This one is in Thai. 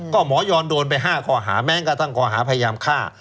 ก็หมอยอนโดนไปห้าขอหาแม่งก็ตั้งขอหาพยายามฆ่า